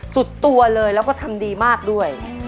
สุดตัวเลยแล้วก็ทำดีมากด้วย